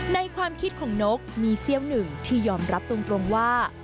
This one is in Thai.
ในความคิดของนกมีเซี่ยวหนึ่งที่ยอมรับตรงว่า